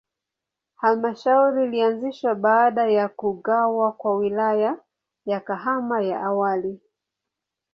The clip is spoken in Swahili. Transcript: Halmashauri ilianzishwa baada ya kugawa kwa Wilaya ya Kahama ya awali.